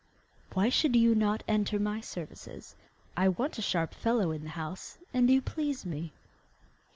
'Why should you not enter my service? I want a sharp fellow in the house, and you please me.